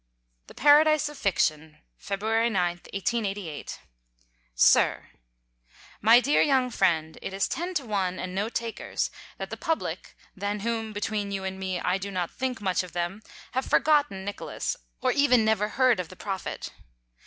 The Paradise of Fiction, Feb. 9, 1888. SIR,—My dear young friend, it is ten to one, and no takers, that the public, than whom, between you and me, I do not think much of them, have forgotten Nicholas, or even never heard of the Prophet.